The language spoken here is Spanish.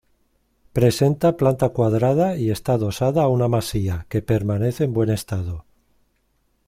Presenta planta cuadrada y está adosada a una masía, que permanece en buen estado.